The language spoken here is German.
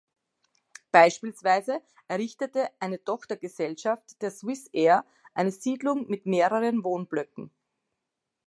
Beispielsweise errichtete eine Tochtergesellschaft der Swissair eine Siedlung mit mehreren Wohnblöcken.